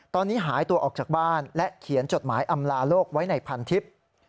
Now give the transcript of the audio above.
ตอนนี้หายตัวออกจากบ้านและเขียนจดหมายอำลาโลกไว้ในพันทิพย์